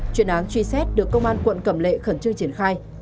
chuyện án truy xét được công an quận cầm lệ khẩn trương triển khai